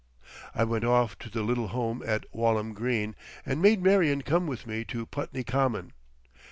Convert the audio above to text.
I went off to the little home at Walham Green, and made Marion come with me to Putney Common.